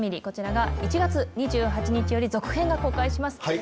こちらが１月２８日より続編が公開します。